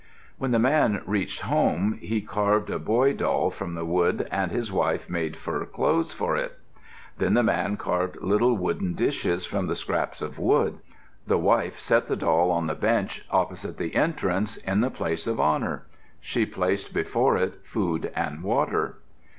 When the man reached home, he carved a boy doll from the wood and his wife made fur clothes for it. Then the man carved little wood dishes from the scraps of wood. The wife set the doll on the bench opposite the entrance, in the place of honor. She placed before it food and water.